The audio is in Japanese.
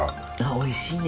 おいしいね。